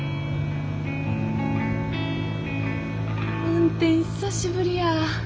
運転久しぶりや。